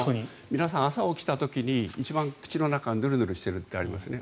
皆さん、朝起きた時に一番口の中がヌルヌルしてるってありますね。